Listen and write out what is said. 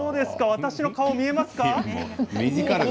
私の顔見えますか？